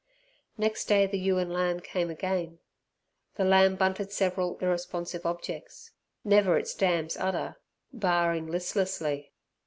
Next day the ewe and lamb came again. The lamb bunted several irresponsive objects never its dam's udder baaing listlessly.